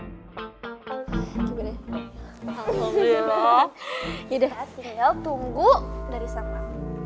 kita tinggal tunggu dari sama